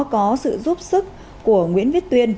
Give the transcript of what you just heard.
có sự giúp sức của nguyễn viết tuyên